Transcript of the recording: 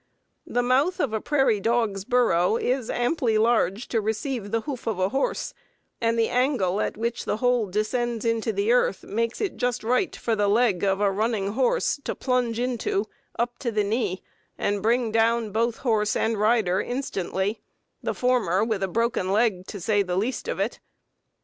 The mouth of a prairie dog's burrow is amply large to receive the hoof of a horse, and the angle at which the hole descends into the earth makes it just right for the leg of a running horse to plunge into up to the knee and bring down both horse and rider instantly; the former with a broken leg, to say the least of it.